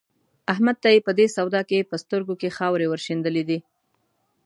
احمد ته يې په دې سودا کې په سترګو کې خاورې ور شيندلې دي.